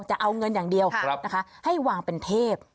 จะเอาเงินอย่างเดียวนะคะให้วางเป็นเทพ